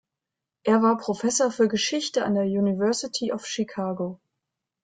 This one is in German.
Er war Professor für Geschichte an der University of Chicago.